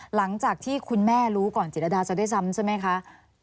หลังจากที่คุณแม่รู้ก่อนจิตรดาซะด้วยซ้ำใช่ไหมคะ